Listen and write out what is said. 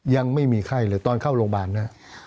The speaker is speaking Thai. ยังไม่มีไข้เลยตอนเข้าโรงบาลนะ